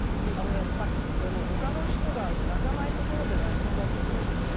ほかの人が、泣かないところで泣きそうになるんですよ、僕。